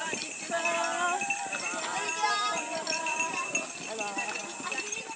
こんにちは。